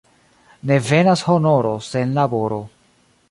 Ne venas honoro sen laboro.